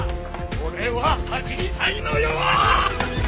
俺は走りたいのよー！